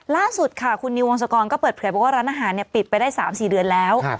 ล่าสุดค่ะคุณนิววงศกรก็เปิดเผยบอกว่าร้านอาหารปิดไปได้๓๔เดือนแล้ว